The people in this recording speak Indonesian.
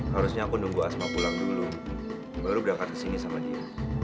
harusnya aku nunggu asma pulang dulu baru berangkat ke sini sama dia